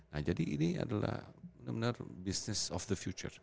nah jadi ini adalah business of the future